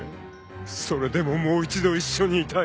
［それでももう一度一緒にいたい］